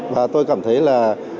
và tôi cảm thấy là